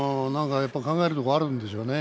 考えるところはあるんでしょうね。